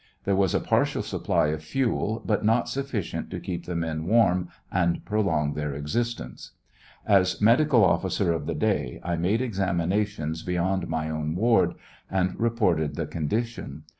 There was a partial supply ot fuel, but not sufficient to keep the men warm and prolong their existence. As medical officer of the day, I made examinations beyond my own ward, and reported the condition.